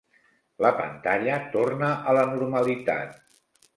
La pantalla torna a la normalitat.